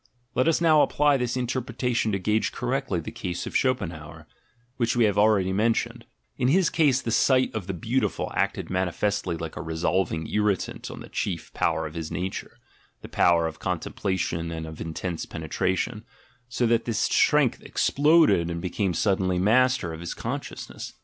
Let us now apply this interpretation to gauge cor rectly the case of Schopenhauer, which we have already mentioned: in his case, the sight of the beautiful acted manifestly like a resolving irritant on the chief power of his nature (the power of contemplation and of intense penetration) ; so that this strength exploded and became suddenly master of his consciousness.